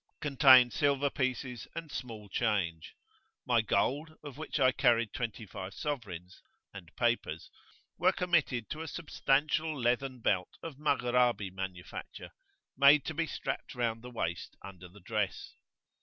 contained silver pieces and small change.[FN#14] My gold, of which I carried twenty five sovereigns, and papers, were committed to a substantial leathern belt of Maghrabi manufacture, made to be strapped round the waist under the dress.